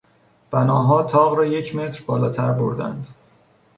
بناها تاق را یک متر بالاتر بردند.